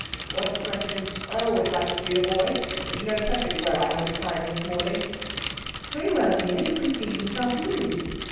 'What a question! I always like to see the boy. But you know perfectly well I haven't time this morning.' 'Very well, dear. You can see him this afternoon.'